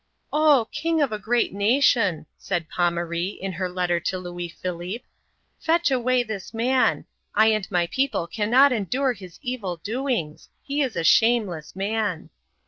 " Oh, king of a great nation," said Pomaree, in her letter to Louis Philippe, ^ fetch away this man ; I and my people cannot endure his evil doings. He is a shameless man."